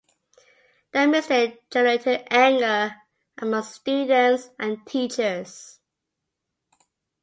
The mistake generated anger amongst students and teachers.